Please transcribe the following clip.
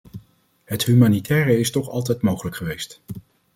Het humanitaire is toch altijd mogelijk geweest.